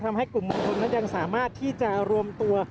ทำให้กลุ่มมวลชนนั้นยังสามารถที่จะรวมตัว